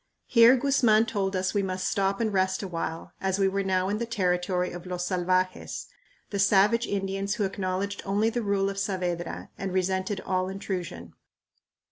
Here Guzman told us we must stop and rest a while, as we were now in the territory of los salvajes, the savage Indians who acknowledged only the rule of Saavedra and resented all intrusion.